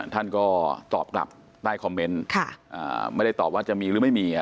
ท่านก็ตอบกลับใต้คอมเมนต์ไม่ได้ตอบว่าจะมีหรือไม่มี